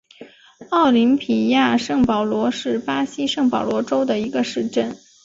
奥林匹亚圣保罗是巴西圣保罗州的一个市镇。